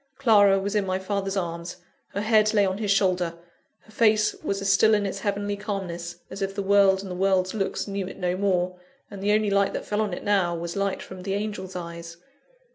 Clara was in my father's arms, her head lay on his shoulder, her face was as still in its heavenly calmness as if the world and the world's looks knew it no more, and the only light that fell on it now, was light from the angel's eyes.